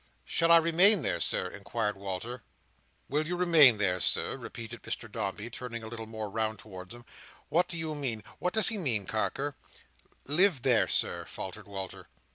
"Shall I remain there, Sir?" inquired Walter. "Will you remain there, Sir!" repeated Mr Dombey, turning a little more round towards him. "What do you mean? What does he mean, Carker?" "Live there, Sir," faltered Walter.